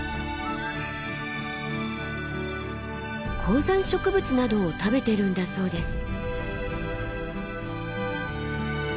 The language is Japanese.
高山植物などを食べてるんだそうです。